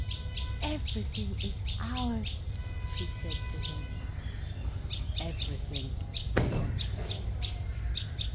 "Everything is ours," she said to him. "Everything," he answered.